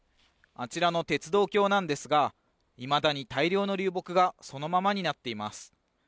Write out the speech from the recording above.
あちらの鉄道橋なんですがいまだに大量の流木がそのままになっています。